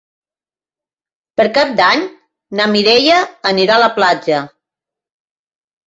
Per Cap d'Any na Mireia anirà a la platja.